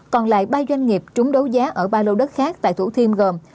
còn lại ba doanh nghiệp trúng đấu giá ở ba lô đất khác tại thủ thiêm gồm